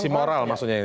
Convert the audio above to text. sisi moral maksudnya ini